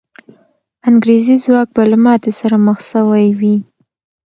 انګریزي ځواک به له ماتې سره مخ سوی وي.